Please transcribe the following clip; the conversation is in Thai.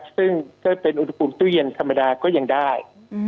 ซึ่งสิ่งที่เป็นอุณหภูมิตู้เย็นภรรณาศาลก็ยังได้